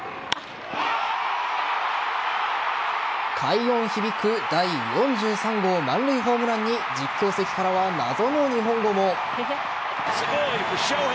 快音響く第４３号満塁ホームランに実況席からは謎の日本語も。